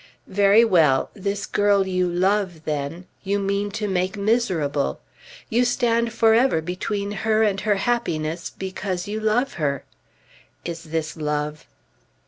"Very well. This girl you love, then, you mean to make miserable. You stand forever between her and her happiness, because you love her! Is this love?"